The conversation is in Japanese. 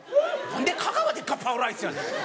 何で香川でガパオライスやねん！